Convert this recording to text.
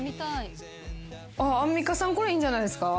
アンミカさんこれいいんじゃないですか？